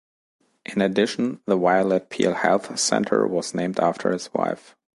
In addition, the Violet Peel Health Centre was named after his wife.